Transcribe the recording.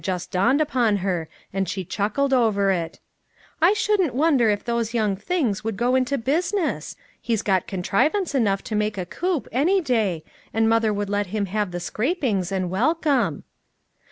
just dawned upon her, and she chuckled over it : "I shouldn't wonder if those young things would go into business; he's got contrivance enough to make a coop, any day, and mother would let them have the scrapings, and welcome."